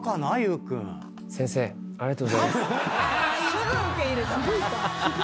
すぐ受け入れた！